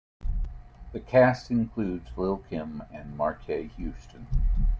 The cast included Lil' Kim and Marques Houston.